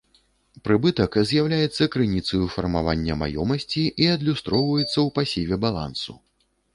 Прыбытак з'яўляецца крыніцаю фармавання маёмасці і адлюстроўваецца ў пасіве балансу.